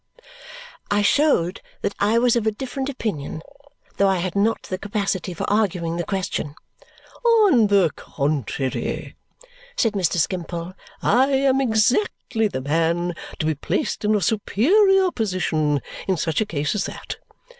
I showed that I was of a different opinion, though I had not the capacity for arguing the question. "On the contrary," said Mr. Skimpole, "I am exactly the man to be placed in a superior position in such a case as that.